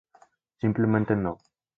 Simplemente no.